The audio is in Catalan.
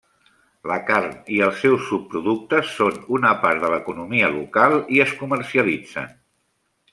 La carn i els seus subproductes són una part de l'economia local i es comercialitzen.